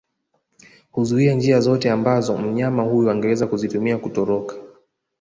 kuzuia njia zozote ambazo mnyama huyo angeweza kuzitumia kutoroka